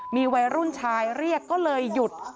มีวัยรุ่นชายเรียกก็เลยหยุด